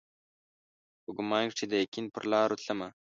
په ګمان کښي د یقین پرلارو تلمه